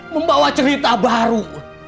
membawa cerita baru